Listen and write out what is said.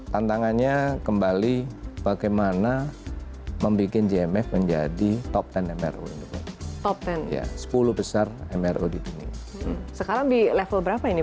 tantangannya kembali bagaimana membuat jmf menjadi top sepuluh sepuluh besar emily sekarang di level berapa ini